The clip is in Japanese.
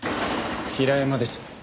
平山です。